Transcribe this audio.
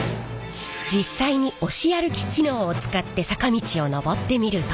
実際に押し歩き機能を使って坂道を上ってみると。